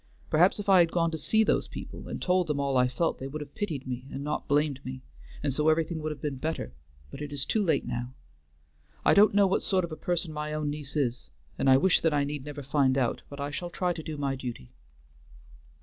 Perhaps if I had gone to see those people, and told them all I felt, they would have pitied me, and not blamed me, and so everything would have been better, but it is too late now. I don't know what sort of a person my own niece is, and I wish that I need never find out, but I shall try to do my duty."